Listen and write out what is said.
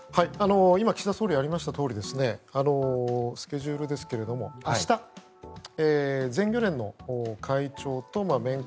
今、岸田総理ありましたとおりスケジュールですが明日、全漁連の会長と面会。